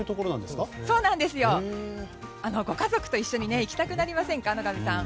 ご家族と一緒に行きたくなりませんか野上さん。